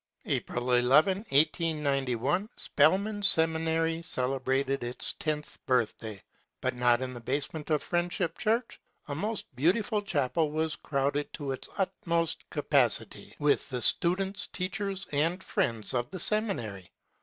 April II, 1891, Spelman Seminary celebra ted its tenth birthday, but not in the base ment of Friendship Church. A most beauti ful chapel was crowded to its utmost capacity with the students, teachers, and friends of the seminary.